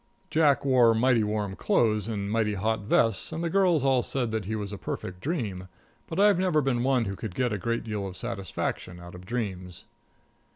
Jack wore mighty warm clothes and mighty hot vests, and the girls all said that he was a perfect dream, but I've never been one who could get a great deal of satisfaction out of dreams.